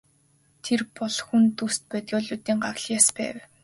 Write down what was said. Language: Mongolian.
Тэр бол хүн төст бодгалиудын гавлын яс байв.